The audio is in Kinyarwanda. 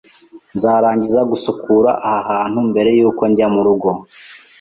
Nzarangiza gusukura aha hantu mbere yuko njya murugo.